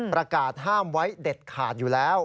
ประกาศห้ามไว้เด็ดขาดอยู่แล้ว